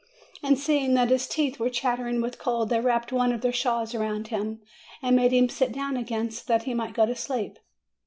And seeing that his teeth were chattering with cold, they wrapped one of their shawls around him, and made him sit down again, so that he might go to sleep.